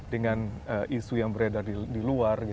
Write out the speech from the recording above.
dengan isu yang beredar di luar